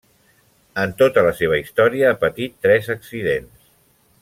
En tota la seva història ha patit tres accidents.